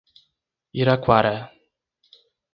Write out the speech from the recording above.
Iraquara